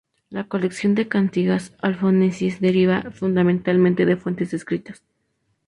La colección de cantigas alfonsíes deriva fundamentalmente de fuentes escritas.